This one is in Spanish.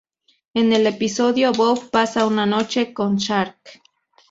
En el episodio "Bob" pasa una noche con Sark.